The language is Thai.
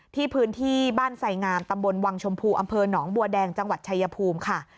พื้นที่บ้านไสงามตำบลวังชมพูอำเภอหนองบัวแดงจังหวัดชายภูมิค่ะ